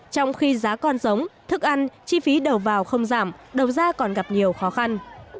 trong khi giá con giống thức ăn chi phí đầu vào không giảm đầu ra còn gặp nhiều khó khăn